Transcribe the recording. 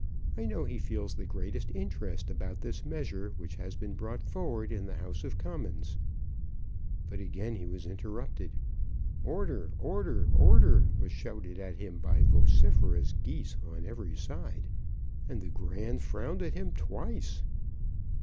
I know he feels the greatest interest about this measure, which has been brought forward in the House of C " But again he was interrupted. "Order, order, order," was shouted at him by vociferous Geese on every side, and the Grand frowned at him twice.